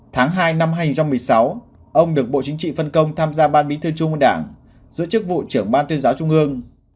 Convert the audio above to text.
tháng hai năm hai nghìn một mươi sáu ông được bộ chính trị phân công tham gia ban bí thư trung ương đảng giữ chức vụ trưởng ban tuyên giáo trung ương